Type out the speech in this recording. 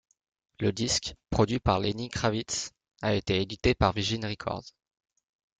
Le disque, produit par Lenny Kravitz, a été édité par Virgin Records.